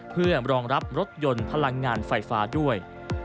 เพื่อรองรับรถยนต์พลังงานไฟฟ้าด้วย